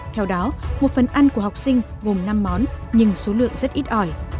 theo đó một phần ăn của học sinh gồm năm món nhưng số lượng rất ít ỏi